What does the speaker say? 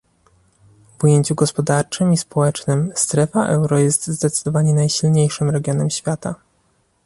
W ujęciu gospodarczym i społecznym strefa euro jest zdecydowanie najsilniejszym regionem świata